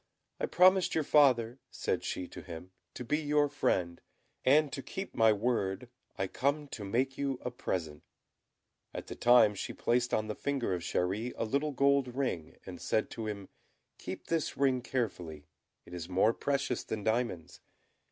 "I promised your father," said she to him, "to be your friend; and, to keep my word, I come to make you a present." At the same time she placed on the finger of Chéri a little gold ring, and said to him, "Keep this ring carefully it is more precious than diamonds.